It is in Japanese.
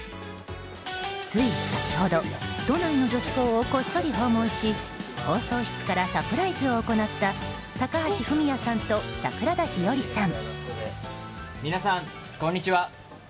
つい先ほど都内の女子校をこっそり訪問し放送室からサプライズを行った高橋文哉さんと桜田ひよりさん。